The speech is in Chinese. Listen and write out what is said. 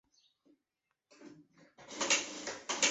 茶籽粉由山茶属植物的种子制成。